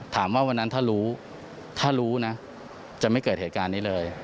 วันนั้นถ้ารู้ถ้ารู้นะจะไม่เกิดเหตุการณ์นี้เลย